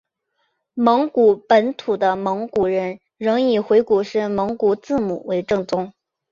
蒙古本土的蒙古人仍以回鹘式蒙古字母为正宗。